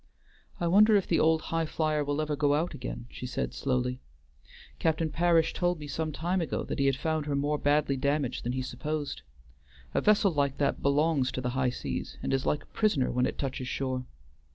"I wonder if the old Highflyer will ever go out again?" she said slowly. "Captain Parish told me some time ago that he had found her more badly damaged than he supposed. A vessel like that belongs to the high seas, and is like a prisoner when it touches shore.